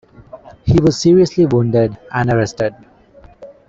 He was seriously wounded and arrested.